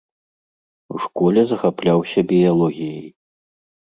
У школе захапляўся біялогіяй.